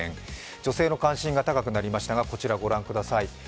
女性の関心が高くなりましたが、こちらご覧ください。